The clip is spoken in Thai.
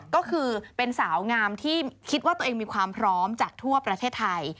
ก็คือเป็นสาวงามที่คิดว่าตัวเองมีความพร้อมจากทั่วประเทศไทย